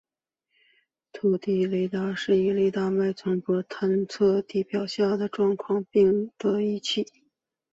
透地雷达是以雷达脉冲波探测地表以下状况并的仪器。